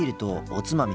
おつまみ。